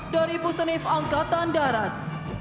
dari pusenif angkatan darat